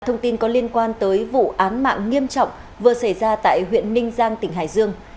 thông tin có liên quan tới vụ án mạng nghiêm trọng vừa xảy ra tại huyện ninh giang tỉnh hải dương